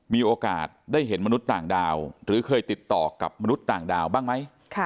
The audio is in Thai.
มีโอกาสได้เห็นมนุษย์ต่างดาวหรือเคยติดต่อกับมนุษย์ต่างดาวบ้างไหม